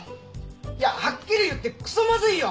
いやはっきり言ってクソまずいよ！